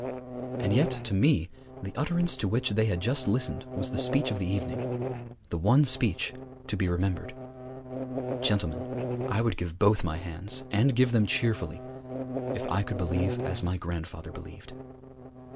And yet to me the utterance to which they had just listened was the speech of the evening, the one speech to be remembered: '_Gentlemen, I would give both my hands, and give them cheerfully, if I could believe as my grandfather believed!